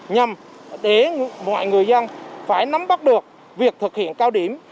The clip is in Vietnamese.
nhằm để mọi người dân phải nắm bắt được việc thực hiện cao điểm